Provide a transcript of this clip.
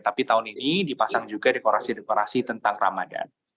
tapi tahun ini dipasang juga dekorasi dekorasi tentang ramadan